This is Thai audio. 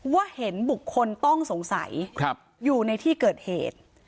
เห็นบุคคลต้องสงสัยอยู่ในที่เกิดเหตุ